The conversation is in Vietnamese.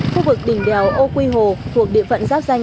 khu vực đỉnh đèo âu quý hồ thuộc địa phận giáp danh